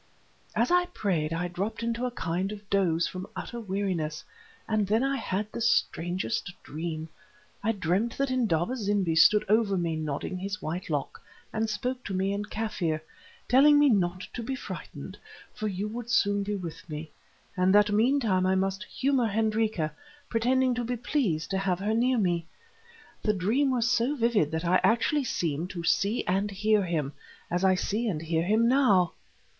"As I prayed I dropped into a kind of doze from utter weariness, and then I had the strangest dream. I dreamed that Indaba zimbi stood over me nodding his white lock, and spoke to me in Kaffir, telling me not to be frightened, for you would soon be with me, and that meanwhile I must humour Hendrika, pretending to be pleased to have her near me. The dream was so vivid that I actually seemed to see and hear him, as I see and hear him now."